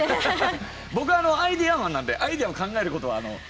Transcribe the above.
僕アイデアマンなんでアイデアを考えることは。